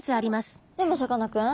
でもさかなクン